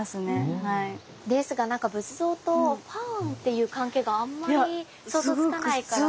ですが何か仏像とファンっていう関係があんまり想像つかないから。